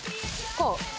こう？